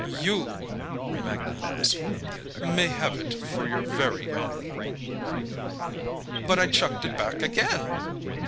You"—magnanimously—"may have it for your very own!" "But I chucked it back again!"